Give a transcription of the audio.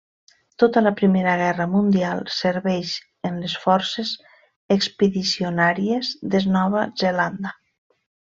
Tota la Primera Guerra Mundial serveix en les Forces Expedicionàries de Nova Zelanda.